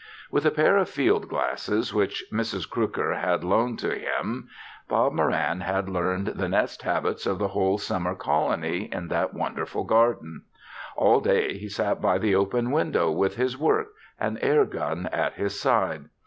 With a pair of field glasses, which Mrs. Crooker had loaned to him, Bob Moran had learned the nest habits of the whole summer colony in that wonderful garden. All day he sat by the open window with his work, an air gun at his side.